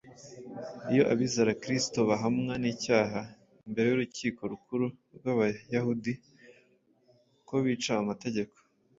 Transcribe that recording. Iyo abizera Kristo bahamwa n’icyaha imbere y’urukiko rukuru rw’Abayahudi ko bica amategeko,